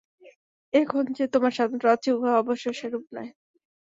এখন যে তোমার স্বাতন্ত্র্য আছে, উহা অবশ্য সেরূপ নয়।